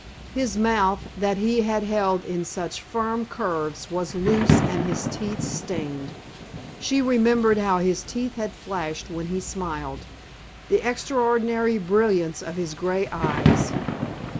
His mouth that he had held in such firm curves was loose and his teeth stained. She remembered how his teeth had flashed when he smiled, the extraordinary brilliancy of his gray eyes....